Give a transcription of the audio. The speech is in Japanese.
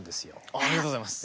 ありがとうございます。